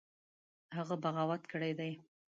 هغه بغاوت کړی دی.